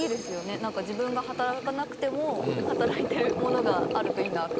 なんか自分が働かなくても働いてるものがあるといいなって思いました。